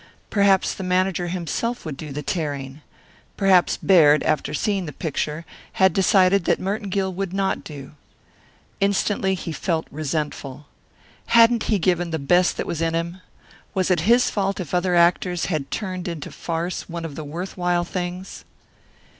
Perhaps the manager himself would do the tearing. Perhaps Baird, after seeing the picture, had decided that Merton Gill would not do. Instantly he felt resentful. Hadn't he given the best that was in him? Was it his fault if other actors had turned into farce one of the worth while things?